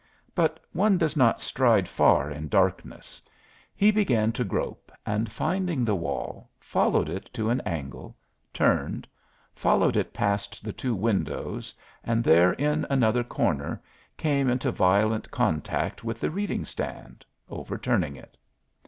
But one does not stride far in darkness; he began to grope, and finding the wall followed it to an angle, turned, followed it past the two windows and there in another corner came into violent contact with the reading stand, overturning it.